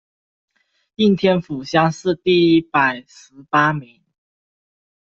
应天府乡试第一百十八名。